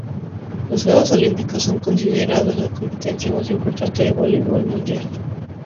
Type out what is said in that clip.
Los Juegos Olímpicos son considerados la competencia más importante del vóley mundial.